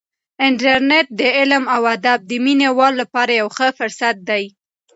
انټرنیټ د علم او ادب د مینه والو لپاره یو ښه فرصت دی.